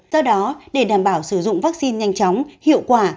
do đó để đảm bảo sử dụng vaccine nhanh chóng hiệu quả